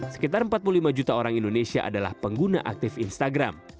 sekitar empat puluh lima juta orang indonesia adalah pengguna aktif instagram